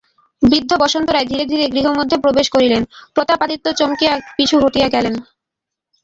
বৃদ্ধ বসন্ত রায় ধীরে ধীরে গৃহমধ্যে প্রবেশ করিলেন– প্রতাপাদিত্য চমকিয়া পিছু হটিয়া গেলেন।